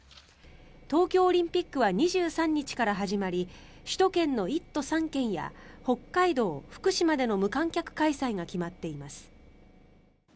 東京オリンピックは２３日から始まり首都圏の１都３県や北海道、福島での無観客開催が決まっています。